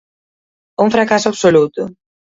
Un fracaso absoluto.